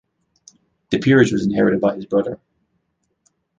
The peerage was inherited by his brother.